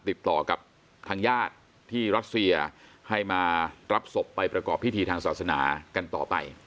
ติดต่อกับทางญาติที่รัสเซียให้มารับศพไปประกอบพิธีทางศาสนากันต่อไป